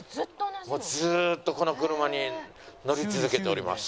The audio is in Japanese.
もうずーっとこの車に乗り続けております。